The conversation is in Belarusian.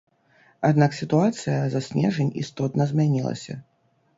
Аднак сітуацыя за снежань істотна змянілася.